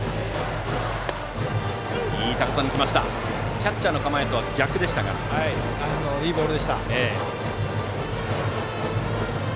キャッチャーの構えとは逆でしたがいいボール。